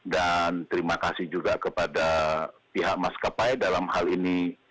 dan terima kasih juga kepada pihak maskapai dalam hal ini